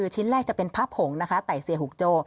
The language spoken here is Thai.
ชิ้นแรกจะเป็นพาโผงใส่เสียหุุกโจ